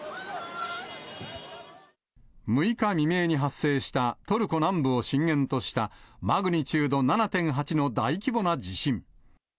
６日未明に発生したトルコ南部を震源としたマグニチュード７．８の大規模な地震。